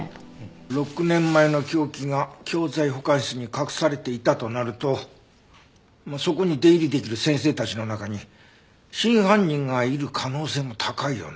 ６年前の凶器が教材保管室に隠されていたとなるとそこに出入りできる先生たちの中に真犯人がいる可能性も高いよね。